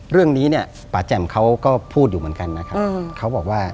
เรื่องนี้เนี่ยป้าแจ่มเขาก็พูดอยู่เหมือนกันนะครับ